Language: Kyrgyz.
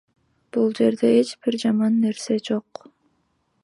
Бул жерде эч бир жаман нерсе жок.